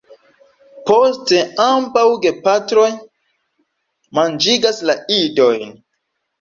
Poste ambaŭ gepatroj manĝigas la idojn.